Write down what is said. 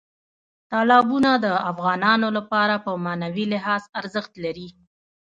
تالابونه د افغانانو لپاره په معنوي لحاظ ارزښت لري.